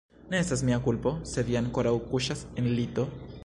Ne estas mia kulpo, se vi ankoraŭ kuŝas en lito.